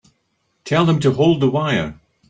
Tell them to hold the wire.